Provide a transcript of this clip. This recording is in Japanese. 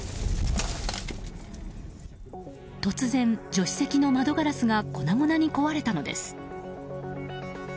突然、助手席の窓ガラスが粉々に壊れたのです。